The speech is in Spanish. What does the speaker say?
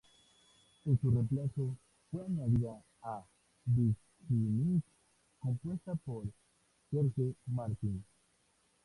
En su reemplazo, fue añadida A Beginning compuesta por George Martin.